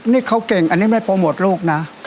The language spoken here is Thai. นี่เขาเก่งอันนี้ไม่โปรโมทลูกนะ